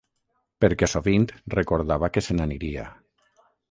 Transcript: Perquè sovint recordava que se n'aniria.